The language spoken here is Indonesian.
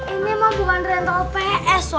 ini emang bukan rental ps sob